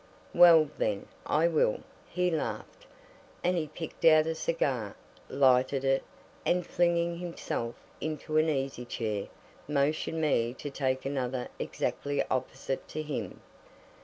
"Well, then, I will," he laughed, and he picked out a cigar, lighted it, and flinging himself into an easy chair, motioned me to take another exactly opposite to him.